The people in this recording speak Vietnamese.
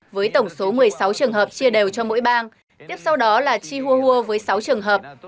với tổng số một mươi sáu trường hợp chia đều cho mỗi bang tiếp sau đó là chihuhua với sáu trường hợp